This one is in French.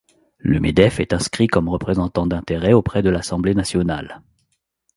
Le Medef est inscrit comme représentant d'intérêts auprès de l'Assemblée nationale.